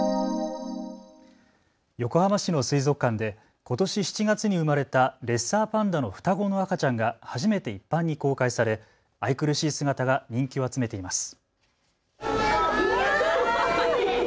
横浜市の水族館でことし７月に生まれたレッサーパンダの双子の赤ちゃんが初めて一般に公開され愛くるしい姿が人気を集めています。